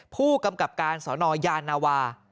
ผู้กำกับการสนยานาวา